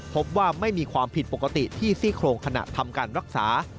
พบว่าไม่มีความผิดปกติที่ซี่โครงขณะทำการรักษา